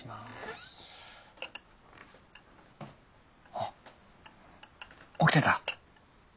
あっ起きてた？